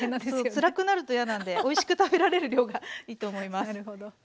つらくなると嫌なんでおいしく食べられる量がいいと思います。